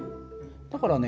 だからね